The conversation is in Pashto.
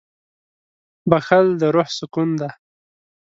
• بښل د روح سکون دی.